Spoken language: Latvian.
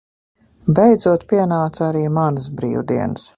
Beidzot pienāca arī manas brīvdienas.